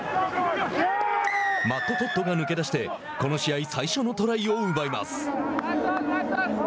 マット・トッドが抜け出してこの試合最初のトライを奪います。